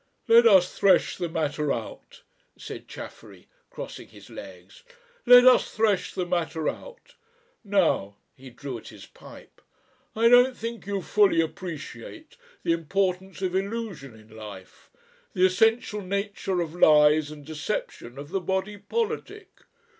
"Let us thresh the matter out," said Chaffery, crossing his legs; "let us thresh the matter out. Now" he drew at his pipe "I don't think you fully appreciate the importance of Illusion in life, the Essential Nature of Lies and Deception of the body politic.